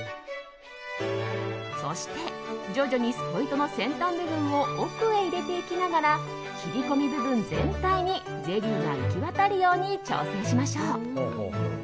そして徐々にスポイトの先端部分を奥へ入れていきながら切り込み部分全体にゼリーが行き渡るように調整しましょう。